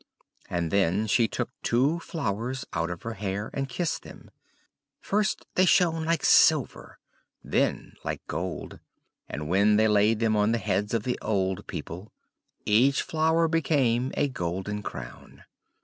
And then she took two flowers out of her hair, and kissed them. First, they shone like silver, then like gold; and when they laid them on the heads of the old people, each flower became a golden crown.